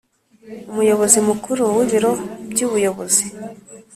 Umuyobozi Mukuru w Ibiro by Ubuyobozi